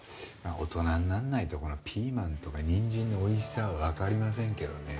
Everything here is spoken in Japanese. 大人になんないとピーマンとかにんじんのおいしさはわかりませんけどね。